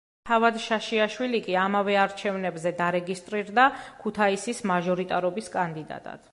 თავად შაშიაშვილი კი ამავე არჩევნებზე დარეგისტრირდა ქუთაისის მაჟორიტარობის კანდიდატად.